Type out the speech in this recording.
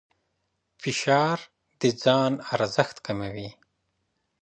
فشار د ځان ارزښت کموي.